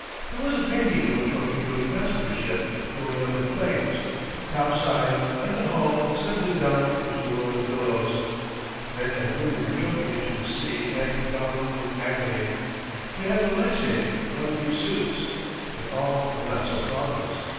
There was a painting of a torpedoed passenger ship going up in flames, topside and the hull settling down into the rolling billows. Men and women were jumping into the sea and drowning in agony. They had no life saving, one piece suits. But all were not so thoughtless.